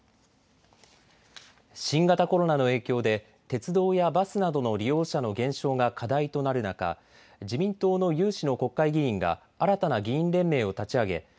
新型コロナの影響で鉄道やバスなどの利用者の減少が課題となる中、自民党の有志の国会議員が新たな議員連盟を立ち上げ